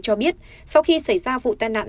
cho biết sau khi xảy ra vụ tai nạn